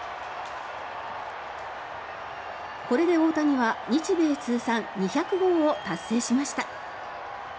これで大谷は日米通算２００号を達成しました。